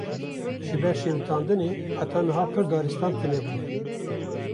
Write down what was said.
Ji ber şewitandinê, heta niha pir daristan tune bûne